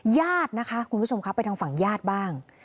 ญาตินะคะคุณผู้ชมครับไปทางฝั่งญาติบ้าง